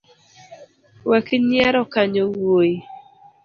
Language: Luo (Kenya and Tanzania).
Wek nyiero kanyo wuoi.